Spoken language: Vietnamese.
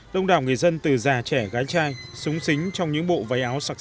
đông đảo người dân từ già trẻ gái trai súng sính trong những bộ váy áo sạc